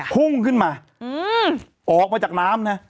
พุ่งขึ้นมาออกมาจากน้ำนะ